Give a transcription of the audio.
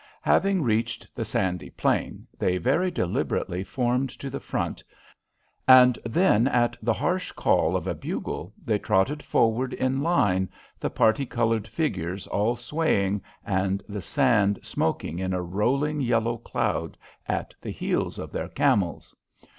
Having reached the sandy plain, they very deliberately formed to the front, and then at the harsh call of a bugle they trotted forward in line, the parti coloured figures all swaying and the sand smoking in a rolling yellow cloud at the heels of their camels.